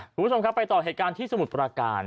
คุณผู้ชมครับไปต่อเหตุการณ์ที่สมุทรประการ